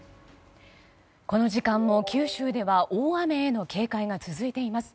この時間も九州では大雨への警戒が続いています。